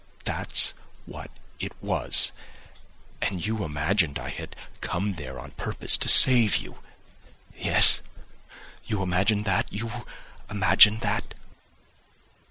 That's what it was, and you imagined I had come there on purpose to save you. Yes? You imagined that? You imagined that?"